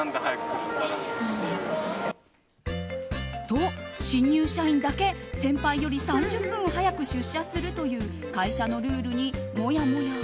と、新入社員だけ先輩より３０分早く出社するという会社のルールにもやもや。